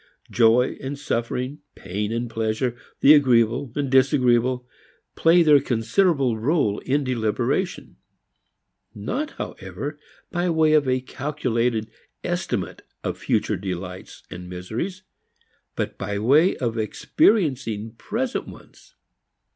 Joy and suffering, pain and pleasure, the agreeable and disagreeable, play their considerable rôle in deliberation. Not, however, by way of a calculated estimate of future delights and miseries, but by way of experiencing present ones.